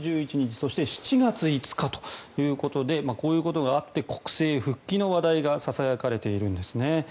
そして、７月５日ということでこういうことがあって国政復帰のうわさがささやかれているんですね。